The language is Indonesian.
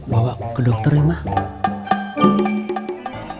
bawa ke dokter ya mah